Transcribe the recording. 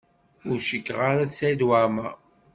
Ur cikkeɣ ara d Saɛid Waɛmaṛ.